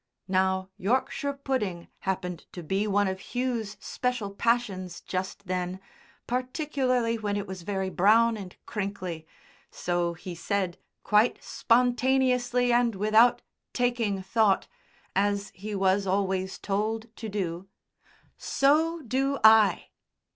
Now Yorkshire pudding happened to be one of Hugh's special passions just then, particularly when it was very brown and crinkly, so he said quite spontaneously and without taking thought, as he was always told to do, "So do I!"